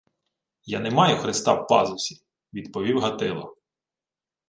— Я не маю хреста в пазусі! — відповів Гатило.